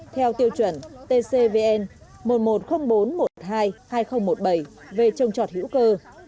theo tiêu chuẩn tcvn một trăm một mươi nghìn bốn trăm một mươi hai hai nghìn một mươi bảy về trông trọt hữu cơ